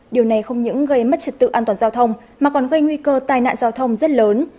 điều này không những gây mất trật tự an toàn giao thông mà còn gây nguy cơ tai nạn giao thông rất lớn